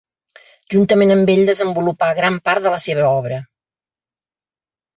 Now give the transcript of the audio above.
Juntament amb ell desenvolupà gran part de la seva obra.